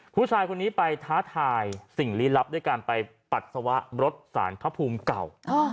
ผู้ชายคนนี้ไปท้าทายสิ่งฤทธิ์ลับด้วยการไปปัดสวะบรดสารข้าวภูมิเก่า